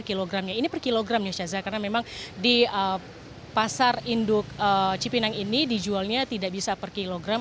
ini per kilogramnya karena memang di pasar induk cipinang ini dijualnya tidak bisa per kilogram